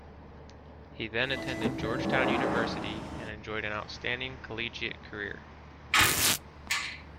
He then attended Georgetown University and enjoyed an outstanding collegiate career.